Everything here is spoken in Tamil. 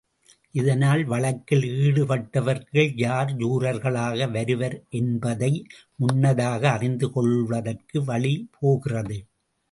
இதனால் வழக்கில் ஈடுபட்டவர்களுக்கு யார் ஜூரர்களாக வருவர் என்பதை முன்னதாக அறிந்து கொள்வதற்கு வழிபோகிறது.